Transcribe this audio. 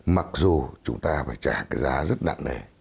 mặc dù chúng ta phải trả cái giá rất nặng nề